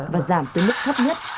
và giảm tới mức thấp nhất